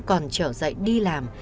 còn trở dậy đi làm